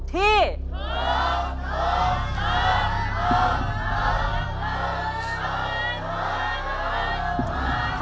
ฮาวะละพร้อม